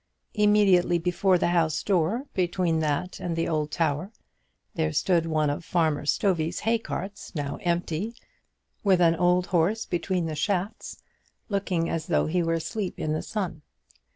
Immediately before the house door, between that and the old tower, there stood one of Farmer Stovey's hay carts, now empty, with an old horse between the shafts looking as though he were asleep in the sun.